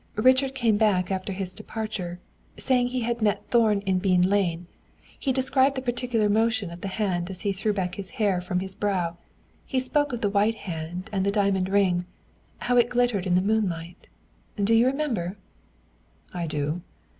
"Richard came back after his departure, saying he had met Thorn in Bean lane. He described the peculiar motion of the hand as he threw back his hair from his brow; he spoke of the white hand and the diamond ring how it glittered in the moonlight. Do you remember?" "I do."